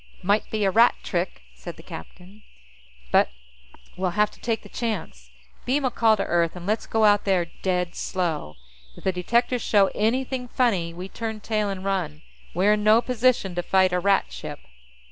"Might be a Rat trick," said the captain. "But we'll have to take the chance. Beam a call to Earth, and let's go out there dead slow. If the detectors show anything funny, we turn tail and run. We're in no position to fight a Rat ship."